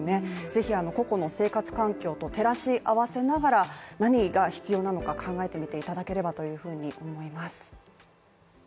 ぜひ個々の生活環境と照らし合わせながら何が必要なのか考えてみていただければというふうに思います。